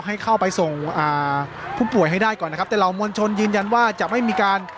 ให้เข้าไปส่งอ่าผู้ป่วยให้ได้ก่อนนะครับแต่เหล่ามวลชนยืนยันว่าจะไม่มีการ